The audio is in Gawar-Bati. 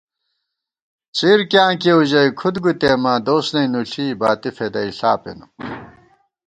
څِر کیاں کېؤ ژَئی کھُد گُوتېماں ، دوس نئ نُوݪی ، باتی فېدئیݪا پېنہ